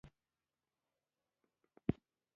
د پراګراف مفهوم دې په خپلو خبرو کې څرګند کړي.